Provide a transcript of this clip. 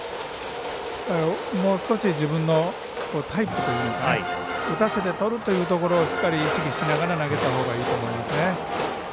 もう少し自分のタイプというのを打たせてとるというところをしっかり意識しながら投げたほうがいいと思いますね。